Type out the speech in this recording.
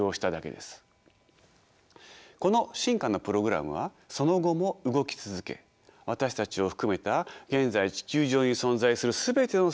この進化のプログラムはその後も動き続け私たちを含めた現在地球上に存在する全ての生物を生み出しました。